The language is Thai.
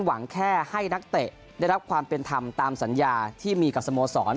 หวังแค่ให้นักเตะได้รับความเป็นธรรมตามสัญญาที่มีกับสโมสร